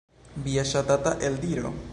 Via ŝatata eldiro?